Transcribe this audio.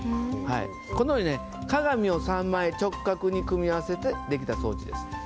はいこのようにね鏡を３枚直角に組み合わせてできた装置です。